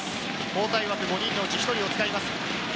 交代枠５人のうち、１人を使います。